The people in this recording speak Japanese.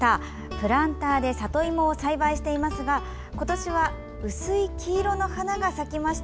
プランターで里芋を栽培していますが今年は薄い黄色の花が咲きました。